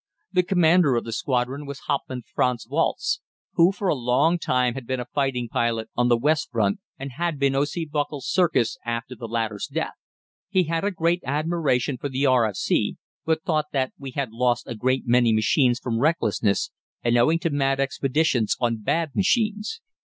The commander of the squadron was Hauptmann Franz Walz, who for a long time had been a fighting pilot on the West front and had been O.C. Boelche's circus after the latter's death. He had a great admiration for the R.F.C., but thought that we had lost a great many machines from recklessness, and owing to mad expeditions on bad machines.